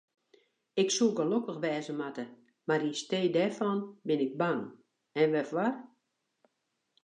Ik soe gelokkich wêze moatte, mar yn stee dêrfan bin ik bang, en wêrfoar?